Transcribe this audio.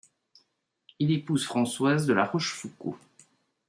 Il épouse Françoise de la Rochefoucauld.